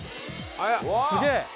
すげえ！